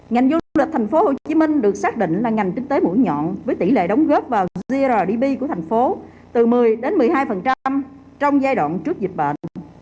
ngành du lịch thành phố hồ chí minh được xác định là ngành kinh tế mũi nhọn với tỷ lệ đóng góp vào zrdp của thành phố từ một mươi đến một mươi hai trong giai đoạn trước dịch bệnh